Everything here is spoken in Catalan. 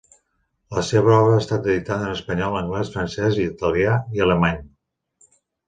La seva obra ha estat editada en espanyol, anglès, francès, italià i alemany.